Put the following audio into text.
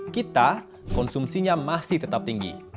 kita konsumsinya masih tetap tinggi